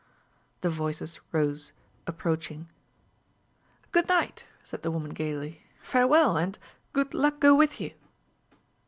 The voices rose, approaching. "Good night," said the woman gaily; "farewell and good luck go with you!"